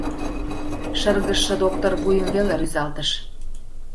Шыргыжше доктыр вуйым веле рӱзалтыш: